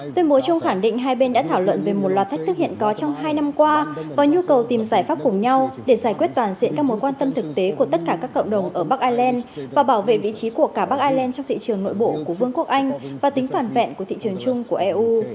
tuyên bố chung khẳng định hai bên đã thảo luận về một loạt thách thức hiện có trong hai năm qua và nhu cầu tìm giải pháp cùng nhau để giải quyết toàn diện các mối quan tâm thực tế của tất cả các cộng đồng ở bắc ireland và bảo vệ vị trí của cả bắc ireland trong thị trường nội bộ của vương quốc anh và tính toàn vẹn của thị trường chung của eu